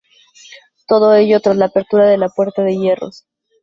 Todo ello tras la apertura de la puerta de Hierros.